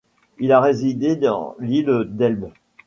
Il a résidé dans l'île d'Elbe.